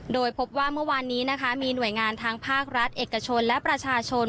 โดยพบว่าเมื่อวานนี้นะคะมีหน่วยงานทางภาครัฐเอกชนและประชาชน